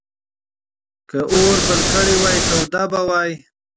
که اور بل کړی وای، تود به وای.